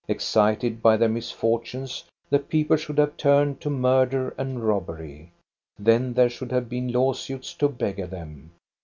Excited by their misfortunes, the people should have turned to murder and rob bery. Then there should have been lawsuits to beggar them.